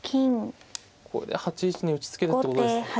これで８一に打ちつけるってことですね。